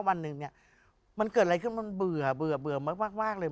วันหนึ่งเนี่ยมันเกิดอะไรขึ้นมันเบื่อเบื่อเบื่อมากมากมากเลย